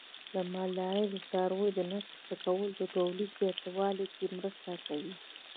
د مالدارۍ د څارویو د نسل ښه کول د تولید زیاتوالي کې مرسته کوي.